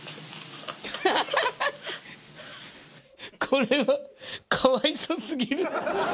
これは、かわいそうすぎる。